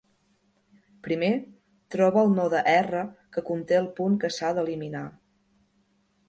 Primer, troba el node R que conté el punt que s'ha d'eliminar.